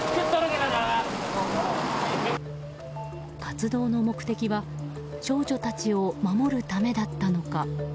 活動の目的は少女たちを守るためだったのか。